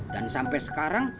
dan sampai sekarang